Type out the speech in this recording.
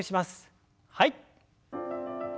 はい。